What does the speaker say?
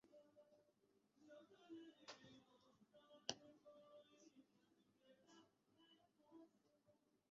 তাছাড়া আমাদের বিভাগে ব্যবহৃত সফটওয়্যারগুলো বেশ পুরানো।